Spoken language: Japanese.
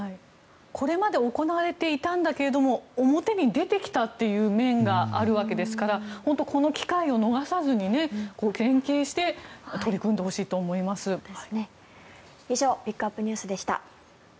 これまで行われていたんだけれども表に出てきたという面があるわけですから本当にこの機会を逃さずに連携して取り組んでほしいと思います。